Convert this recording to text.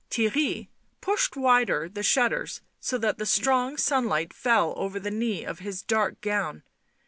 ..." Theirry pushed wider the shutters so that the strong sunlight fell over the knee of his dark gown.